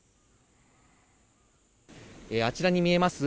あちらに見えます